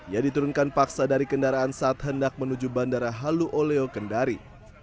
ia diturunkan paksa dari kendaraan saat hendak menuju bandara halu oleo kendari